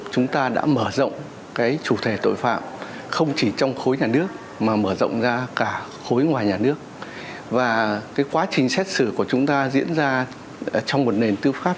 nhưng vừa đảm bảo cho cái thu hồi được cái tài sản tham nhũng cho nhà nước